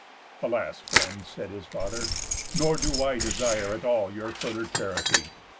"Alas, friend," said his father, "nor do I Desire at all your further charity.